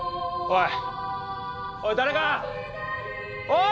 おい！